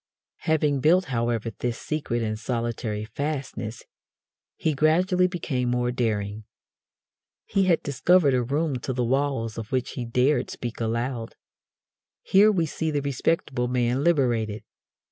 Having built, however, this secret and solitary fastness, he gradually became more daring. He had discovered a room to the walls of which he dared speak aloud. Here we see the respectable man liberated.